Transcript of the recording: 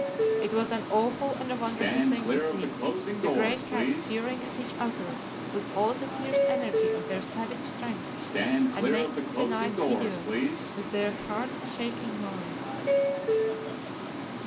It was an awful and a wonderful thing to see the great cats tearing at each other with all the fierce energy of their savage strength, and making the night hideous with their heart shaking noise.